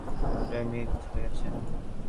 মহারাজের নিকট বিচারের নিমিত্ত প্রেরিত হইয়াছেন।